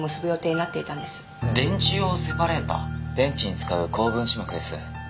電池に使う高分子膜です。